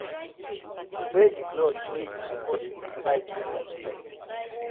Wey di clothe wey yu suppose buy giv yah children?